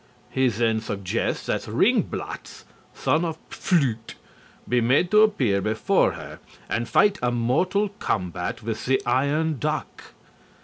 He then suggests that Ringblattz, son of Pflucht, be made to appear before her and fight a mortal combat with the Iron Duck.